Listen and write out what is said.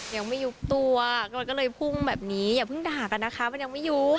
ยังไม่ยุบตัวก็เลยพุ่งแบบนี้อย่าเพิ่งด่ากันนะคะมันยังไม่ยุบ